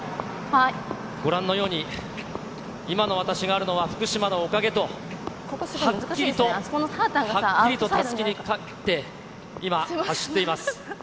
ご覧のように、今の私があるのは、福島のおかげと、はっきりと、はっきりとたすきにかけて今、走っています。